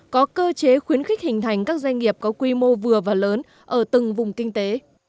có cơ chế khuyến khích hình thành các doanh nghiệp có quy mô vừa và lớn ở từng vùng kinh tế